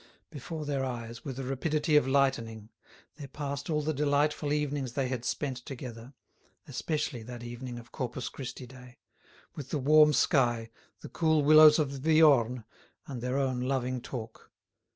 Before their eyes, with the rapidity of lightening, there passed all the delightful evenings they had spent together, especially that evening of Corpus Christi Day, with the warm sky, the cool willows of the Viorne, and their own loving talk.